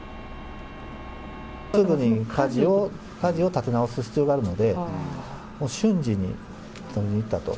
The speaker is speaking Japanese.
すぐにかじを立て直す必要があるので、瞬時に取りにいったと。